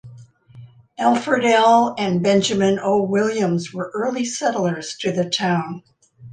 Alfred L. and Benjamin O. Williams were early settlers to the town.